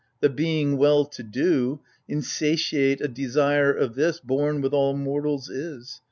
The being well to do — Insatiate a desire of this Born with all mortals is.